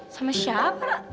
sama siapa ra